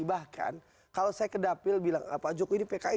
bahkan kalau saya ke dapil bilang pak jokowi ini pki